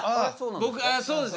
僕そうです。